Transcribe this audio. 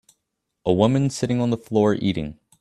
A woman sitting on the floor eating